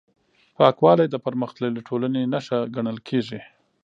پاکوالی د پرمختللې ټولنې نښه ګڼل کېږي.